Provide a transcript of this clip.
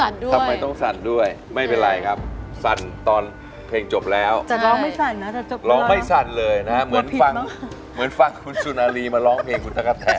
ร้องไม่สั่นเลยนะเหมือนฟังคุณสุนอารีมาร้องเพลงคุณสักคราบแทน